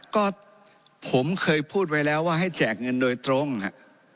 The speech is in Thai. ก็ผมเคยพูดไว้แล้วว่าให้แจกเงินโดยตรงฮะ